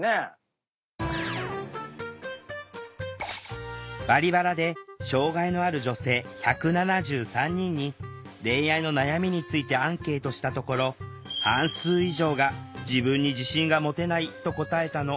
そもそも「バリバラ」で障害のある女性１７３人に恋愛の悩みについてアンケートしたところ半数以上が「自分に自信が持てない」と答えたの。